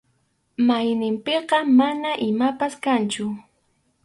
Mayninpiqa mana imapas kanchu.